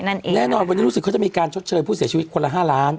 แน่นอนวันนี้รู้สึกเขาจะมีการชดเชยผู้เสียชีวิตคนละห้าล้าน